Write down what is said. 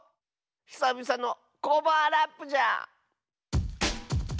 ひさびさのコバアラップじゃ！